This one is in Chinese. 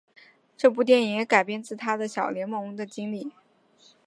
这部电影也改编自他在小联盟的经历。